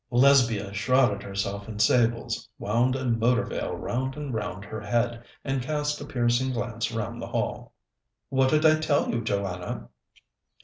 Lesbia shrouded herself in sables, wound a motor veil round and round her head, and cast a piercing glance round the hall. "What did I tell you, Joanna?"